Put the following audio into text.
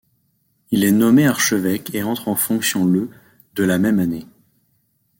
Il est nommé archevêque et entre en fonction le de la même année.